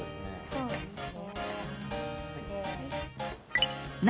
そうですね。